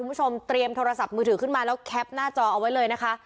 คุณผู้ชมเตรียมโทรศัพท์มือถือขึ้นมาแล้วแคปหน้าจอเอาไว้เลยนะคะ